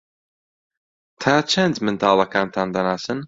تا چەند منداڵەکانتان دەناسن؟